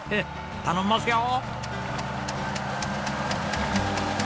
頼みますよ！